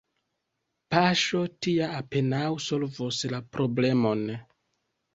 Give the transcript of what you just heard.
Paŝo tia apenaŭ solvos la problemon.